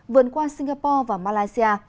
vươn qua singapore và malaysia